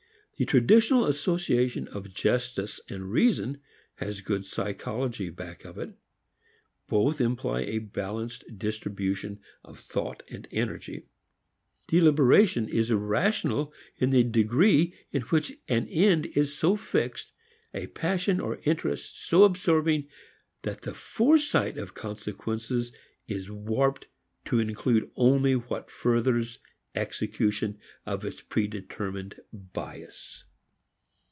The traditional association of justice and reason has good psychology back of it. Both imply a balanced distribution of thought and energy. Deliberation is irrational in the degree in which an end is so fixed, a passion or interest so absorbing, that the foresight of consequences is warped to include only what furthers execution of its predetermined bias.